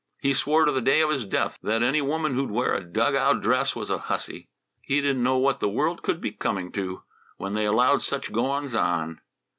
He swore to the day of his death that any woman who'd wear 'a dug out dress' was a hussy. He didn't know what the world could be coming to, when they allowed such goings on.